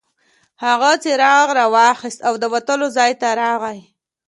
هغه څراغ راواخیست او د وتلو ځای ته راغی.